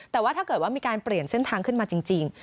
แต่ว่าถ้าเกิดว่ามีการเปลี่ยนเส้นทางขึ้นมาจริง